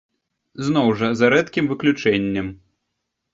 Зноў жа, за рэдкім выключэннем.